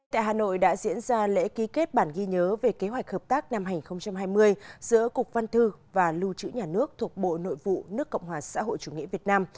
tại hà nội đã diễn ra lễ ký kết bản ghi nhớ về kế hoạch hợp tác năm hai nghìn hai mươi giữa cục văn thư và lưu trữ nhà nước thuộc bộ nội vụ nước cộng hòa xã hội chủ nghĩa việt nam